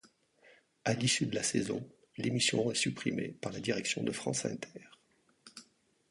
À l'issue de la saison, l'émission est supprimée par la direction de France Inter.